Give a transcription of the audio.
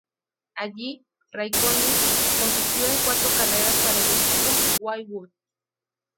Allí, Räikkönen compitió en cuatro carreras para el equipo Haywood.